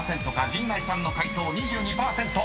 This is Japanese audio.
［陣内さんの解答２２％］